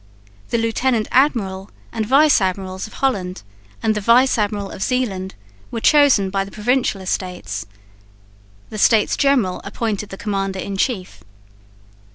The Lieutenant Admiral and Vice Admirals of Holland and the Vice Admiral of Zeeland were chosen by the Provincial Estates. The States General appointed the Commander in Chief.